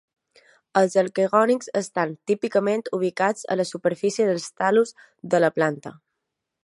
Els arquegonis estan típicament ubicats a la superfície del tal·lus de la planta.